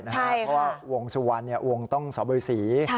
เพราะว่าวงสุวรรณวงต้องสบือสี